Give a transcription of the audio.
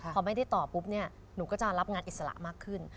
พอไม่ได้ต่อปุ๊บเนี่ยหนูก็จะรับงานอิสระมากขึ้น